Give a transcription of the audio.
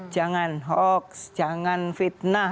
jangan hoax jangan fitnah